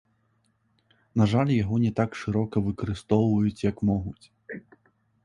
На жаль, яго не так шырока выкарыстоўваюць, як могуць.